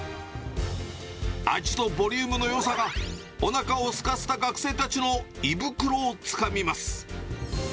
味とボリュームのよさがおなかを空かせた学生たちの胃袋をつかみます。